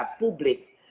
dan media publik